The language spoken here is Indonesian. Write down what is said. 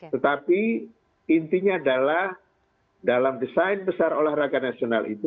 tetapi intinya adalah dalam desain besar olahraga nasional itu